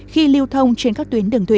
khi lưu thông trên các tuyến đường thủy